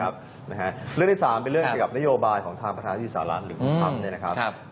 เรื่องที่สามเป็นเรื่องใน้อบาลของทางประธานาศิกษา๑๑คนครั้ง